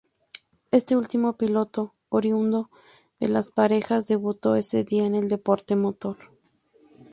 Este último piloto, oriundo de Las Parejas, debutó ese día en el deporte motor.